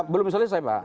belum selesai pak